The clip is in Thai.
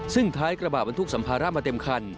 ซึ่งท้ายกระบะบรรทุกสัมภาระมาเต็มคัน